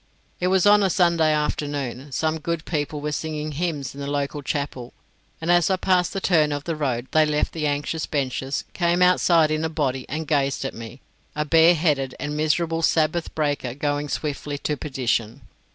It was on a Sunday afternoon; some good people were singing hymns in the local chapel, and as I passed the turn of the road, they left the anxious benches, came outside in a body, and gazed at me, a bare headed and miserable Sabbath breaker going swiftly to perdition.